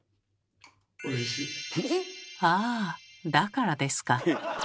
ああだからですか。